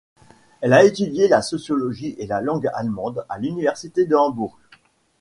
Elle a étudié la sociologie et la langue allemande à l'université de Hambourg.